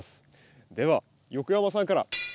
では横山さんから。